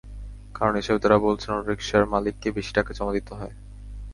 কারণ হিসেবে তাঁরা বলছেন, অটোরিকশার মালিককে বেশি টাকা জমা দিতে হয়।